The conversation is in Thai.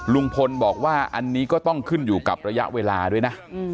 ลุงพลบอกว่าอันนี้ก็ต้องขึ้นอยู่กับระยะเวลาด้วยนะ